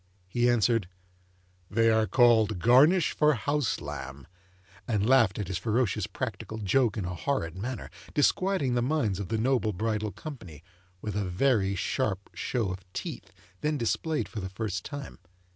he answered, 'They are called Garnish for house lamb,' and laughed at his ferocious practical joke in a horrid manner, disquieting the minds of the noble bridal company, with a very sharp show of teeth, then displayed for the first time.